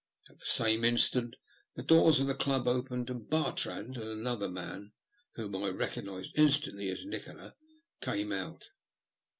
At the same instant the doors of the Club opened, and Bartrand and another man, whom I recognised instantly as Nikola, came out.